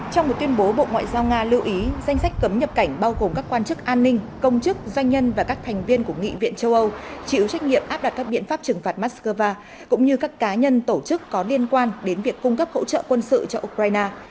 trong một tuyên bố bộ ngoại giao nga lưu ý danh sách cấm nhập cảnh bao gồm các quan chức an ninh công chức doanh nhân và các thành viên của nghị viện châu âu chịu trách nhiệm áp đặt các biện pháp trừng phạt moscow cũng như các cá nhân tổ chức có liên quan đến việc cung cấp hỗ trợ quân sự cho ukraine